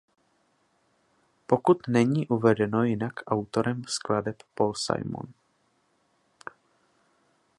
Pokud není uvedeno jinak autorem skladeb Paul Simon.